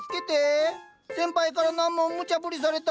先輩から難問むちゃぶりされた。